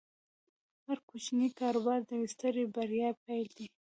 هر کوچنی کاروبار د یوې سترې بریا پیل دی۔